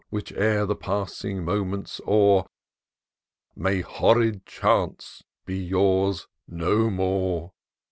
Which, ere the passing moment's o'er, May, — ^horrid chance !— ^be yours no more.